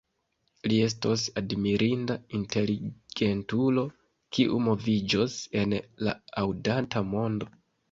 Li estos admirinda inteligentulo, kiu moviĝos en la aŭdanta mondo.